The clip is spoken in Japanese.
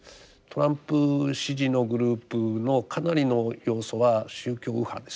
トランプ支持のグループのかなりの要素は宗教右派ですね。